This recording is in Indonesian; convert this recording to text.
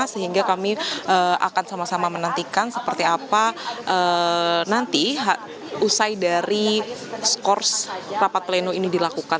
sehingga kami akan sama sama menantikan seperti apa nanti usai dari skors rapat pleno ini dilakukan